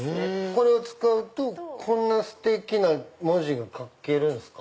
これを使うとこんなステキな文字が書けるんですか？